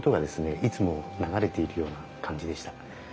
いつも流れているような感じでした。